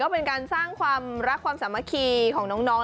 เป็นการสร้างความรักความสามัคคีของน้อง